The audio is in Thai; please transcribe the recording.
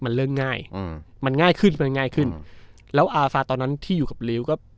มันเริ่มง่ายอืมมันง่ายขึ้นมันง่ายขึ้นแล้วอาฟาตอนนั้นที่อยู่กับริ้วก็